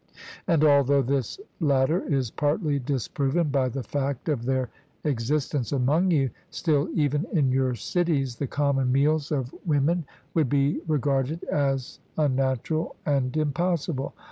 And although this latter is partly disproven by the fact of their existence among you, still even in your cities the common meals of women would be regarded as unnatural and impossible.